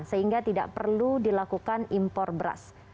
sehingga tidak perlu dilakukan impor beras